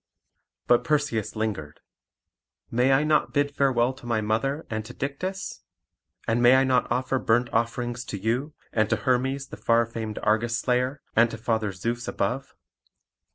But Perseus lingered. "May I not bid farewell to my mother and to Dictys? And may I not offer burnt offerings to you, and to Hermes the far famed Argus slayer, and to Father Zeus above?"